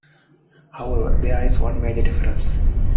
However, there is one major difference.